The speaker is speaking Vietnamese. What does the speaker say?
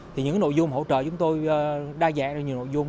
thì những nội dung hỗ trợ chúng tôi đa dạng được nhiều nội dung